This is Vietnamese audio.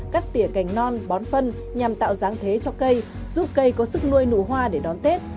cắt tỉa cành non bón phân nhằm tạo dáng thế cho cây giúp cây có sức nuôi nụ hoa để đón tết